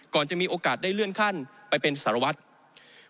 จะมีโอกาสได้เลื่อนขั้นไปเป็นสารวัตร